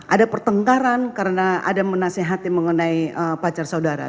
ada pertengkaran karena ada menasehati mengenai pacar saudara